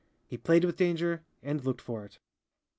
He played with danger, and looked for it.